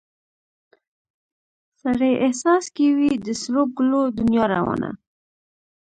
سړي احساس کې وي د سرو ګلو دنیا روانه